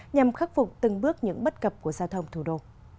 nhằm khắc phục từng bước những bất cập của giao thông thủ đô